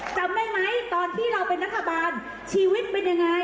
จำได้ไหมตอนที่เราเป็นรัฐบาลชีวิตเป็นยังไง